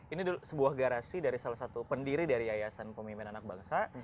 ini sebuah garasi dari salah satu pendiri dari yayasan pemimpin anak bangsa